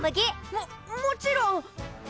ももちろん！